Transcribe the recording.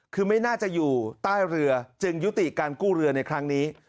คือไม่น่าจะอยู่ใต้เรือจึงยุติการกู้เรือในครั้งนี้